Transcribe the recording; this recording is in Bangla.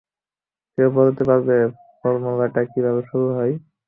কেউ বলতে পারবে ফরমুলাটা কীভাবে শুরু হয়?